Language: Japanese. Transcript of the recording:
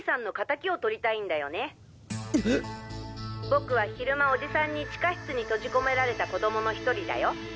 僕は昼間おじさんに地下室に閉じ込められた子供の１人だよ。